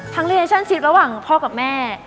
ทั้งรีเฮชั่นชีพระหว่างพ่อกับแม่